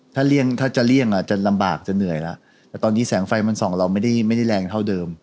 ถ้าเลี่ยงถ้าจะเลี่ยงจะลำบากจะเหนื่อยแล้วแต่ตอนนี้แสงไฟมันส่องเราไม่ได้แรงเท่าเดิม